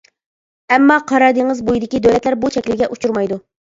ئەمما قارا دېڭىز بويىدىكى دۆلەتلەر بۇ چەكلىمىگە ئۇچرىمايدۇ.